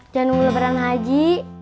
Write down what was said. jangan nunggu lebaran haji